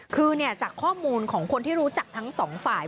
คือจากข้อมูลของคนที่รู้จักทั้งสองฝ่าย